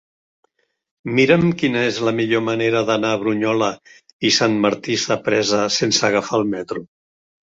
Mira'm quina és la millor manera d'anar a Brunyola i Sant Martí Sapresa sense agafar el metro.